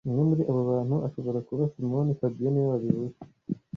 Umwe muri abo bantu ashobora kuba Simoni fabien niwe wabivuze